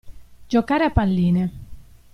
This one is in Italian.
Giocare a palline.